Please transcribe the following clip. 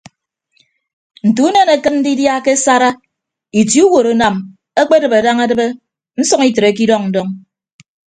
Nte unen akịt ndidia ke asara itie uwotunam ekpedịbe daña edịbe nsʌñ itreke idọñ ndọñ.